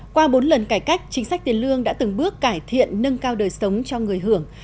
qua bốn lần cải cách chính sách tiền lương đã từng bước cải thiện nâng cao đời sống cho người hưởng